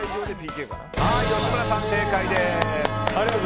吉村さん、正解です。